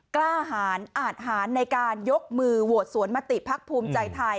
กล้าหารอาทหารในการยกมือโหวตสวนมติภักดิ์ภูมิใจไทย